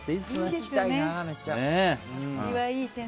行きたいな、めっちゃ。